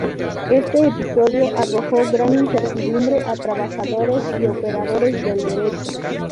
Este episodio arrojó gran incertidumbre a trabajadores y operadores del Derecho.